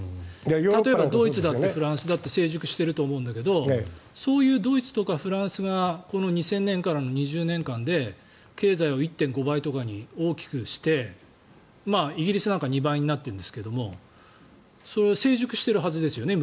例えばドイツだってフランスだって成熟していると思うんだけどそういうフランスとかドイツがこの２０００年からの２０年間で経済を１．５倍とかに大きくしてイギリスなんか２倍になっているんですけど成熟しているはずですよね